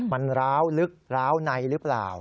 มันร้าวลึกร้าวในหรือเปล่า